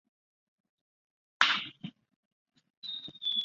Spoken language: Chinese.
如果不这么解释